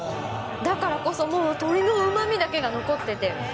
だからこそもう鶏のうまみだけが残ってて。